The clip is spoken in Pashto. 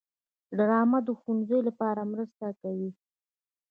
ډرامه د ښوونځیو لپاره مرسته کوي